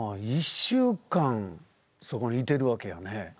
１週間そこにいてるわけやね。